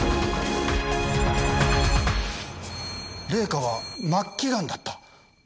玲香は末期がんだった！？